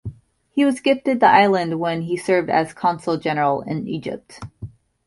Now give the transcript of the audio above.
He was gifted the island when he served as Consul-General in Egypt.